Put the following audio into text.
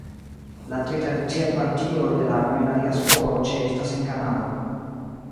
La tri tradiciaj partioj de la armena diasporo ĉeestas en Kanado.